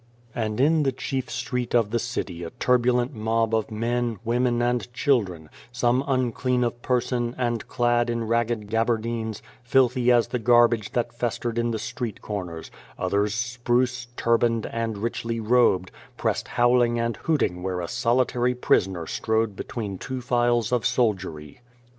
And in the chief street of the city a turbulent mob of men, women, and children, some un clean of person, and clad in ragged gaberdines, filthy as the garbage that festered in the street The Face corners ; others spruce, turbaned and richly robed, pressed howling and hooting where a solitary prisoner strode between two files of soldiery.